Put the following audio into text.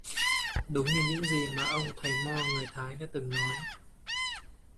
Đúng như những gì mà ông thầy mo người thái đã từng nói